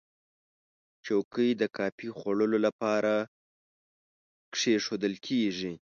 چوکۍ د کافي خوړلو لپاره ایښودل کېږي.